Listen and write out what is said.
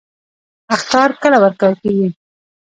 اخطار کله ورکول کیږي؟